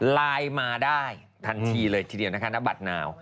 ไลน์มาได้ทันทีเลยทีเดียวนะคะณบัตรหนาว